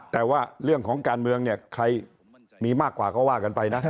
แต่ว่าเรื่องของการเมืองเนี่ยใครมีมากกว่าก็ว่ากันไปนะ